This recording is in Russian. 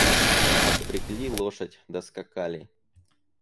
Отпрягли лошадь, доскакали..